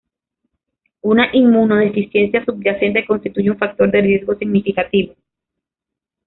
Una inmunodeficiencia subyacente constituye un factor de riesgo significativo.